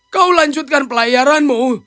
kau lanjutkan pelayaranmu